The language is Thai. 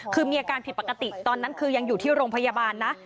คือมีอาการผิดปกติตอนนั้นคือยังอยู่ที่โรงพยาบาลนะ